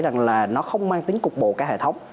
rằng là nó không mang tính cục bộ cả hệ thống